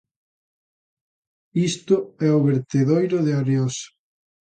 Isto é o vertedoiro de Areosa.